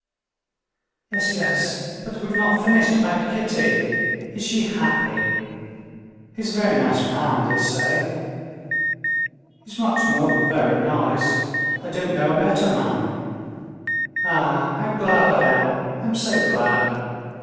"Yes, yes, but we've not finished about Kitty. Is she happy? He's a very nice man, they say." "He's much more than very nice. I don't know a better man." "Ah, how glad I am! I'm so glad!